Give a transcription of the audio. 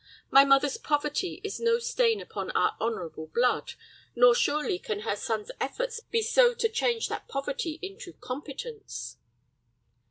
My mother's poverty is no stain upon our honorable blood, nor surely can her son's efforts be so to change that poverty into competence."